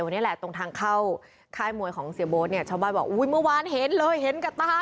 วันนี้แหละตรงทางเข้าค่ายมวยของเสียโบ๊ยบาบบอกเห็นเลยเห็นกันตา